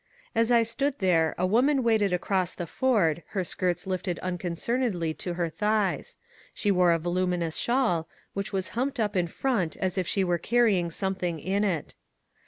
As I stood there, a woman waded across the ford, her skirts lifted unconcernedly to her thighs. She wore a voluminous shawl, which was humped up in front as if she were carrying something in it.